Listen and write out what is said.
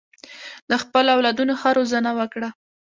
د خپلو اولادونو ښه روزنه وکړه.